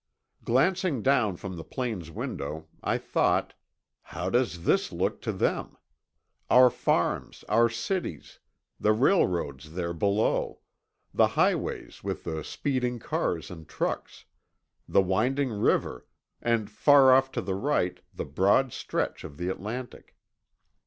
Glancing down from the plane's window, I thought: How does this look to them? Our farms, our cities, the railroads there below; the highways, with the speeding cars and trucks; the winding river, and far off to the right, the broad stretch of the Atlantic.